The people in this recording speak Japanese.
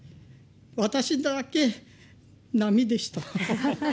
私だけ並でした。